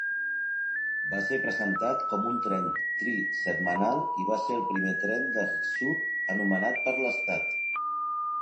Va ser presentat com un tren trisetmanal i va ser el primer tren del sud anomenat per l'estat.